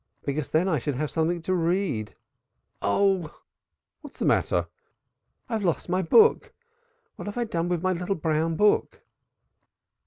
Because then I should have something to read Oh!" "What's the matter?" "I've lost my book. What have I done with my little brown book?"